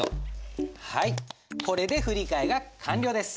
はいこれで振り替えが完了です。